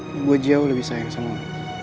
lan gue jauh lebih sayang sama lo